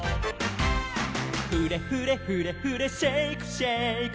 「フレフレフレフレシェイクシェイク」